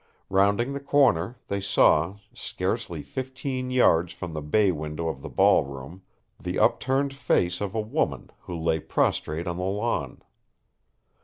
Rounding the corner, they saw, scarcely fifteen yards from the bay window of the ballroom, the upturned face of a woman who lay prostrate on the lawn.